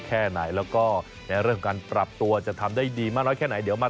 แค่ไหนแล้วก็เรื่องการปรับตัวจะทำได้ดีมา๑๙๘๓๒